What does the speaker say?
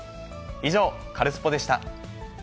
以上、カルスポっ！でした。